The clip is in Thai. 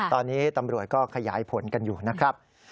ตอนนี้ตำรวจก็ขยายผลกันอยู่นะครับ